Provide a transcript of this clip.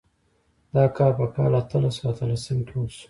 دا کار په کال اتلس سوه اتلسم کې وشو.